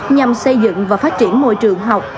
nhằm xây dựng và phát triển môi trường học